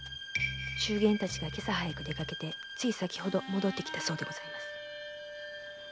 中間たちが今朝早く出かけ先ほど戻ってきたそうです。